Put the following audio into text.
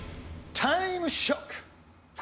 タイムショック！